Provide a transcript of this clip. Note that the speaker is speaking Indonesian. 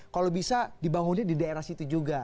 kalau bisa dibangunnya di daerah situ juga